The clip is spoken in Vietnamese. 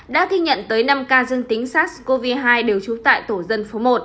đã thi nhận tới năm k dân tính sars cov hai đều trú tại tổ dân phố một